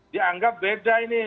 dianggap beda ini